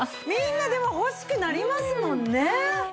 みんなでも欲しくなりますもんね。